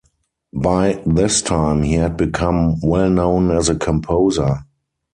By this time he had become well known as a composer.